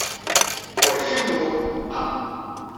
Por ejemplo, "An.